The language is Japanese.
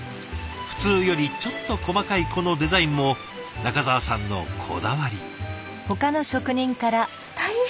普通よりちょっと細かいこのデザインも仲澤さんのこだわり。